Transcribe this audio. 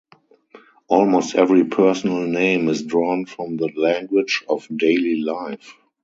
Almost every personal name is drawn from the language of daily life.